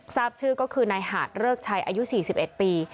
ทราบชื่อก็คือนายหาดเริกชัยอายุ๔๑ปี